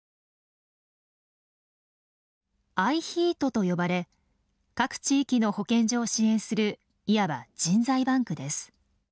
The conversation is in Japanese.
ＩＨＥＡＴと呼ばれ各地域の保健所を支援するいわば人材バンクです。